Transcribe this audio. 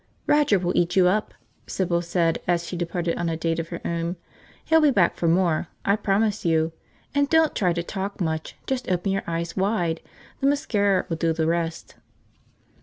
"Roger will eat you up," Sybil said as she departed on a date of her own. "He'll be back for more, I promise you. And don't try to talk much, just open your eyes wide. The mascara will do the rest."